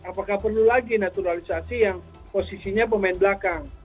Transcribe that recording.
apakah perlu lagi naturalisasi yang posisinya pemain belakang